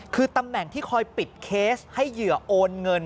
คือตำแหน่งที่คอยปิดเคสให้เหยื่อโอนเงิน